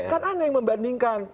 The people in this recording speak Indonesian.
kan aneh yang membandingkan